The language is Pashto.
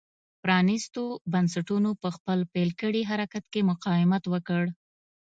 پرانېستو بنسټونو په خپل پیل کړي حرکت کې مقاومت وکړ.